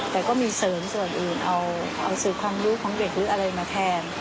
แต่ก็มีเสริมส่วนอื่นเอาสื่อความรู้ของเด็กหรืออะไรมาแทน